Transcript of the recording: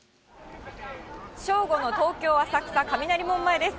正午の東京・浅草、雷門前です。